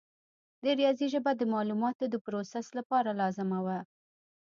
د ریاضي ژبه د معلوماتو د پروسس لپاره لازمه وه.